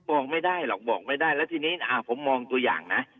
บอกไม่ได้หรอกบอกไม่ได้แล้วทีนี้ผมมองตัวอย่างนะ